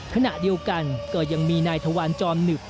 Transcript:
ขณะเดียวกันก็ยังมีนายธวารจอมหนึก